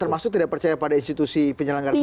termasuk tidak percaya pada institusi penyelenggaraan